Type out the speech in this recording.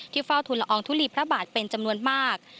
เฝ้าทุนละอองทุลีพระบาทเป็นจำนวนมาก